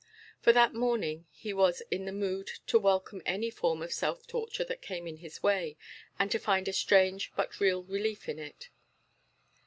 For that morning he was in the mood to welcome any form of self torture that came in his way, and to find a strange but real relief in it.